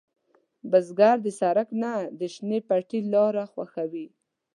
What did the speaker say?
بزګر د سړک نه، د شنې پټي لاره خوښوي